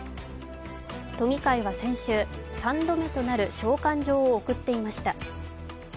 都議会は先週、３度目となる召喚状を送っていました。